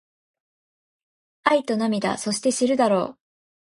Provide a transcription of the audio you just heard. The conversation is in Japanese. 愛と涙そして知るだろう